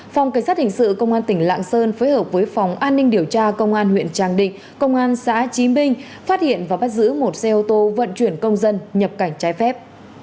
phòng cảnh sát hình sự công an tỉnh lạng sơn phối hợp với phòng an ninh điều tra công an huyện tràng định công an xã trí minh phát hiện và bắt giữ một xe ô tô vận chuyển công dân nhập cảnh trái phép